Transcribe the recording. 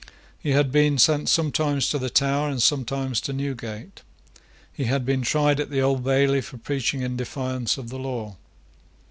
He had been sent sometimes to the Tower, and sometimes to Newgate. He had been tried at the Old Bailey for preaching in defiance of the law.